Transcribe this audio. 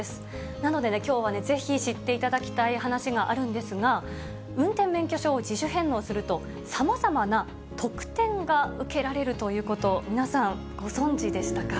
なので、きょうはぜひ知っていただきたい話があるんですが、運転免許証を自主返納すると、さまざまな特典が受けられるということ、皆さん、ご存じでしたか？